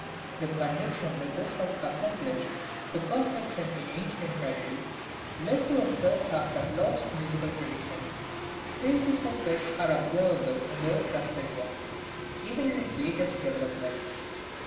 The conviction that this was accomplished to perfection in ancient tragedy led to a search after lost musical traditions, traces of which are observable in the opera seria, even in its latest development.